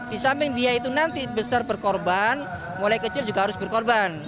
di samping dia itu nanti besar berkorban mulai kecil juga harus berkorban